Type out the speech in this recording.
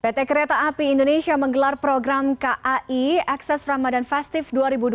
pt kereta api indonesia menggelar program kai akses ramadan festival dua ribu dua puluh